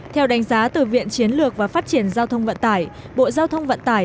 theo đánh giá từ viện chiến lược và phát triển giao thông vận tải bộ giao thông vận tải